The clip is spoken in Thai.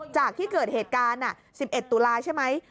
จากที่เกิดเหตุการณ์๑๑ตุลาใช่ไหม